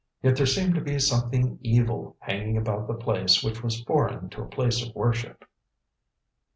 Yet there seemed to be something evil hanging about the place which was foreign to a place of worship.